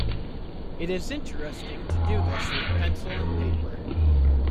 It is interesting to do this with pencil and paper.